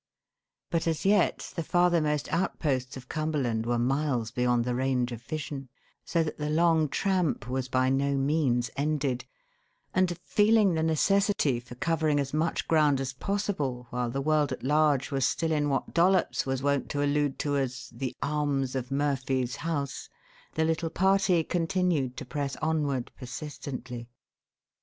But as yet the farthermost outposts of Cumberland were miles beyond the range of vision, so that the long tramp was by no means ended, and, feeling the necessity for covering as much ground as possible while the world at large was still in what Dollops was wont to allude to as "the arms of Murphy's house," the little party continued to press onward persistently.